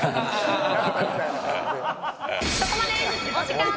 そこまで。